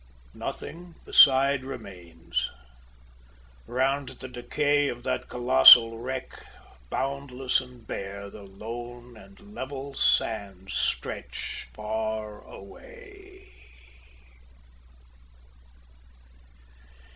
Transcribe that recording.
Nothing beside remains. Round the decay Of that colossal wreck, boundless and bare The lone and level sands stretch far away.